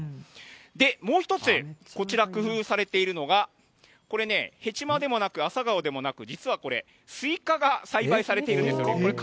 で、もう一つ、こちら、工夫されているのが、これね、ヘチマでもなく、アサガオでもなく、実はこれ、スイカが栽培されているんですよ。